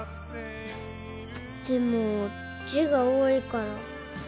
でも字が多いから。